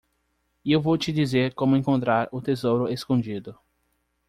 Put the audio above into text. E eu vou te dizer como encontrar o tesouro escondido.